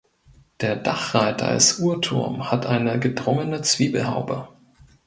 Der Dachreiter als Uhrturm hat eine gedrungene Zwiebelhaube.